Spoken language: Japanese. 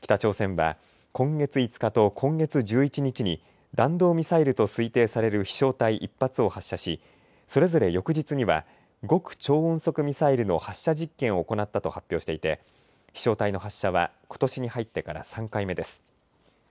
北朝鮮は今月５日と今月１１日に弾道ミサイルと推定される飛しょう体１発を発射し、それぞれ翌日には極超音速ミサイルの発射実験を行ったと発表していて飛しょう体の発射はことしに入ってから３回目です。